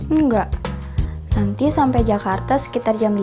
enggak nanti sampai jakarta sekitar jam lima